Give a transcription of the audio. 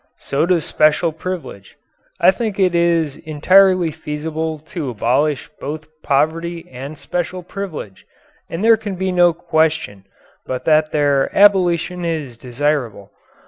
So does special privilege. I think it is entirely feasible to abolish both poverty and special privilege and there can be no question but that their abolition is desirable.